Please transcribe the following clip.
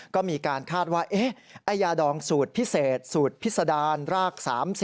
ก็มีการคาดว่ายาดองสูตรพิเศษสูตรพิษดารราก๓๐